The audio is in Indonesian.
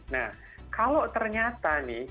nah kalau ternyata nih